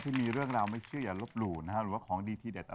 แต่ปู่ไม่เคยเจอเนอะ